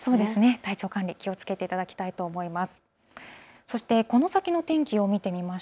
体調管理、気をつけていただきたいと思います。